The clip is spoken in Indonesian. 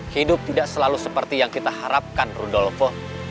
hidup tidak selalu seperti yang kita harapkan rudolfon